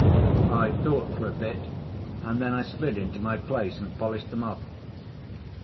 I thought for a bit and then I slid into my place and polished them off.